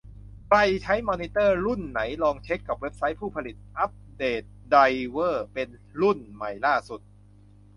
ใครใช้มอนิเตอร์รุ่นไหน ลองเช็คกับเว็บไซต์ผู้ผลิต อัปเดตไดรเวอร์เป็นรุ่นใหม่ล่าสุด